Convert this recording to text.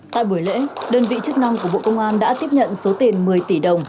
tại buổi lễ đơn vị chức năng của bộ công an đã tiếp nhận số tiền một mươi tỷ đồng